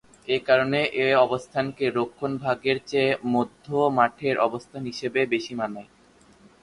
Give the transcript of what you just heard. একারণে এই অবস্থানকে রক্ষণভাগের চেয়ে মধ্যমাঠের অবস্থান হিসেবেই বেশি মানায়।